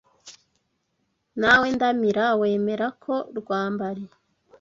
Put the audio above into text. Na we Ndamira wemera ko Rwambari